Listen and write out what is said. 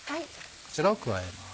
こちらを加えます。